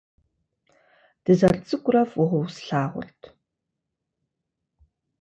Дызэрыцӏыкӏурэ фӏыуэ услъагъурт.